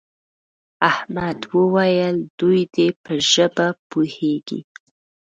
احمد وویل دوی دې په ژبه پوهېږي.